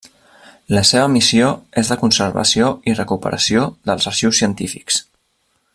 La seva missió és de conservació i recuperació dels arxius científics.